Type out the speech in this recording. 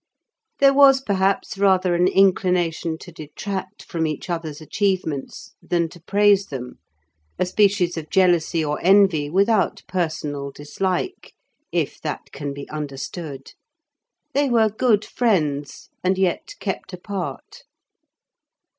There was perhaps rather an inclination to detract from each other's achievements that to praise them, a species of jealousy or envy without personal dislike, if that can be understood. They were good friends, and yet kept apart.